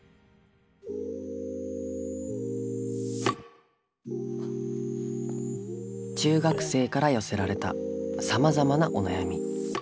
すごい。中学生から寄せられたさまざまなお悩み。